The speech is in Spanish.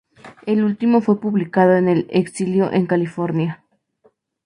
El último fue publicado en el exilio en California.